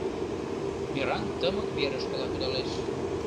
Мераҥ тымык верышкыла кудалеш.